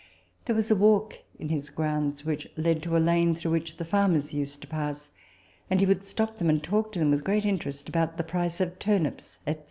There was a walk in his grounds which led to a lane through which the farmers used to pass ; and he would stop them, and talk to them, with great interest, about the price of turnips, &c.